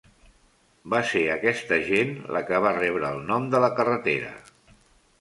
Va ser aquesta gent la que va rebre el nom de la carretera.